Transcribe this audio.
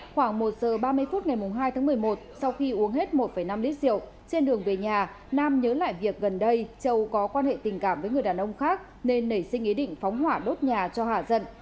khoảng một giờ ba mươi phút ngày hai tháng một mươi một sau khi uống hết một năm lít rượu trên đường về nhà nam nhớ lại việc gần đây châu có quan hệ tình cảm với người đàn ông khác nên nảy sinh ý định phóng hỏa đốt nhà cho hạ dận